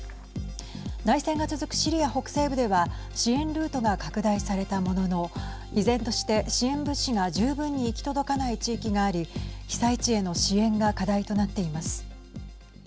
内戦が続くシリア北西部では支援ルートが拡大されたものの依然として支援物資が十分に行き届かない地域があり被災地への支援が課題となっています。